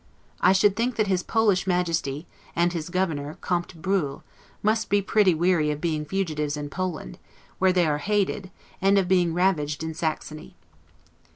I should think that his Polish Majesty, and his Governor, Comte Bruhl, must be pretty weary of being fugitives in Poland, where they are hated, and of being ravaged in Saxony.